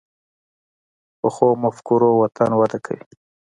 پخو مفکورو وطن وده کوي